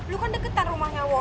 lu kan deketan rumahnya wo